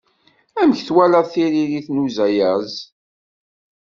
Amek twalaḍ tiririt n uzayez?